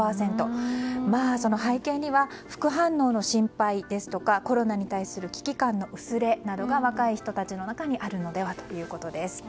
その背景には副反応の心配ですとかコロナに対する危機感の薄れなどが若い人たちの中にあるのではないかということです。